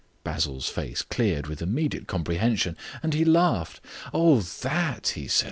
Basil's face cleared with immediate comprehension, and he laughed. "Oh, that," he said.